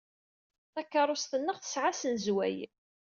Takeṛṛust-nneɣ tesɛa asnezway.